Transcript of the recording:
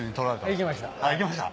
いきました。